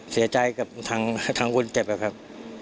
เสียใจกับทางคนเจ็บอะครับ